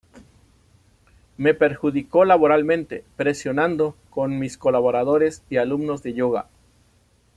Me perjudicó laboralmente presionando, con mis colaboradores y alumnos de yoga.